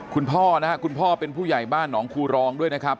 คุณพ่อนะครับคุณพ่อเป็นผู้ใหญ่บ้านหนองคูรองด้วยนะครับ